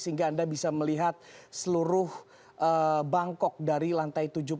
sehingga anda bisa melihat seluruh bangkok dari lantai tujuh puluh